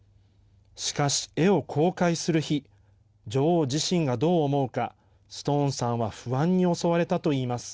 しかし、絵を公開する日女王自身がどう思うかストーンさんは不安に襲われたといいます。